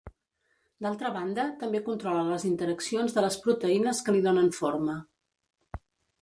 D'altra banda, també controla les interaccions de les proteïnes que li donen forma.